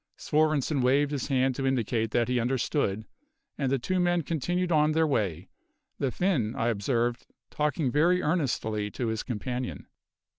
Svorenssen waved his hand to indicate that he understood, and the two men continued on their way; the Finn, I observed, talking very earnestly to his companion.